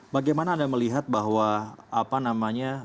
bagaimana anda melihat bahwa apa namanya